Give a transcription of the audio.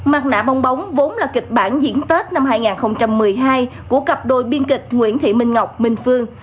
mặt nạ bong bóng vốn là kịch bản diễn tết năm hai nghìn một mươi hai của cặp đôi biên kịch nguyễn thị minh ngọc minh phương